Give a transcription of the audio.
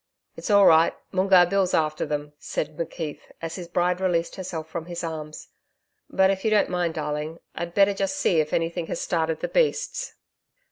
'It's all right, Moongarr Bill's after them,' said McKeith, as his bride released herself from his arms. 'But if you don't mind darling. I'd better just see if anything has started the beasts.'